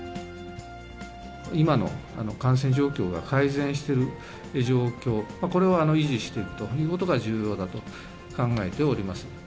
今の感染状況が改善している状況、これを維持していくということが重要だと考えております。